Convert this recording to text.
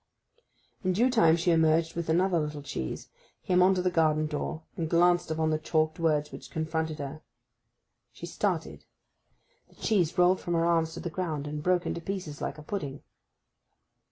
In due time she emerged with another little cheese, came on to the garden door, and glanced upon the chalked words which confronted her. She started; the cheese rolled from her arms to the ground, and broke into pieces like a pudding.